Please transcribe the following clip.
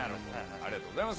ありがとうございます。